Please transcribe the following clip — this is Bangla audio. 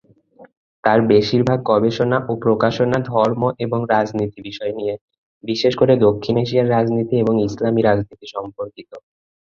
তার বেশিরভাগ গবেষণা ও প্রকাশনা ধর্ম এবং রাজনীতি বিষয় নিয়ে, বিশেষ করে দক্ষিণ এশিয়ার রাজনীতি এবং ইসলামী রাজনীতি সম্পর্কিত।